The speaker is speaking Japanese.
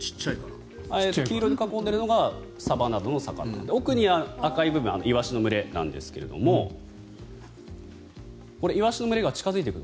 黄色で囲んでいるのがサバなどの魚奥の赤い部分イワシの群れですがイワシの群れが近付いてくる。